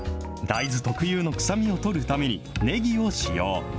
大豆特有の臭みをとるために、ねぎを使用。